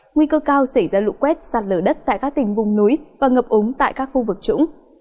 nguy cơ cao xảy ra lũ quét sạt lở đất tại các tỉnh vùng núi và ngập ống tại các khu vực trũng